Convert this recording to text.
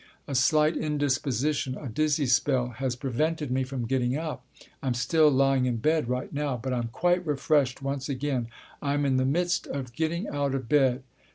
A slight indisposition, a dizzy spell, has prevented me from getting up. I'm still lying in bed right now. But I'm quite refreshed once again. I'm in the midst of getting out of bed.